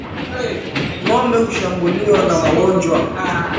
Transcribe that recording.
Ngombe hushambuliwa na magonjwa